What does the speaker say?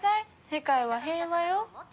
世界は平和よ。